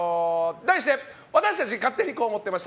題して私たち勝手にこう思ってました！